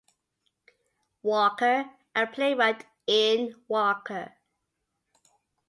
Walker, and playwright Ian Walker.